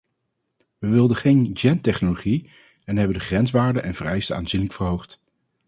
We wilden geen gentechnologie en hebben de grenswaarden en vereisten aanzienlijk verhoogd.